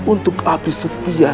untuk abdi setia